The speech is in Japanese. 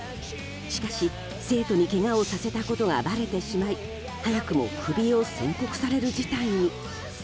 しかし、生徒にけがをさせたことがばれてしまい早くも首を宣告される事態に。